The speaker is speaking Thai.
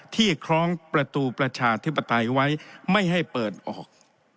คล้องประตูประชาธิปไตยไว้ไม่ให้เปิดออก